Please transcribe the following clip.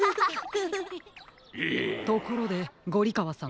ところでゴリかわさん。